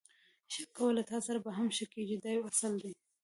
ښه کوه له تاسره به هم ښه کېږي دا یو اصل دی.